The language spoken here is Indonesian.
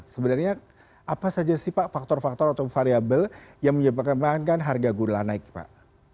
sebenarnya apa saja sih pak faktor faktor atau variable yang menyebabkan bahan kan harga gula naik pak